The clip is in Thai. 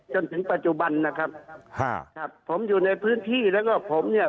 จนถึงปัจจุบันนะครับฮะครับผมอยู่ในพื้นที่แล้วก็ผมเนี่ย